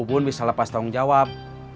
pun bisa lepas tanggung jawab